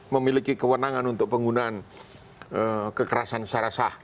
memiliki kewenangan untuk penggunaan kekerasan secara sah